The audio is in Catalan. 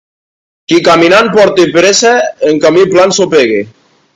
Qui caminant porta pressa, en camí pla ensopega.